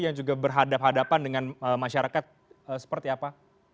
yang juga berhadapan hadapan dengan masyarakat seperti apa